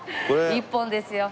１本ですよ。